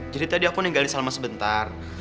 jadi tadi aku ninggalin salma sebentar